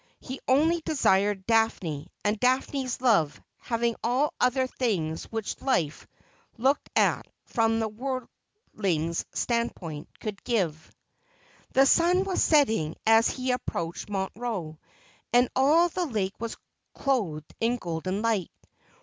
He only desired Daphne, and Daphne's love ; having all other good things which life, looked at from the worldling's standpoint, could give. The sun was setting as he approached Montreux, and all the lake was clothed in golden light.